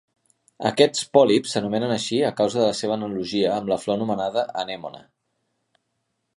Aquests pòlips s'anomenen així a causa de la seva analogia amb la flor anomenada anemone.